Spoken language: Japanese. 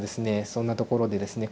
そんなところでですね